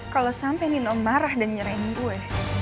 kalo sampe nino marah dan nyerahin gue